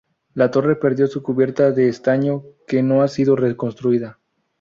La torre perdió su cubierta de estaño, que no ha sido reconstruida.